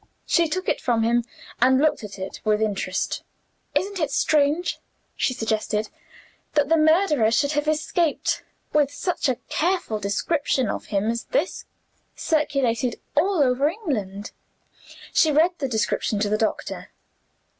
She took it from him, and looked at it with interest. "Isn't it strange," she suggested, "that the murderer should have escaped, with such a careful description of him as this circulated all over England?" She read the description to the doctor.